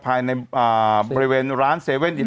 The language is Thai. ภายในบริเวณร้าน๗๑๑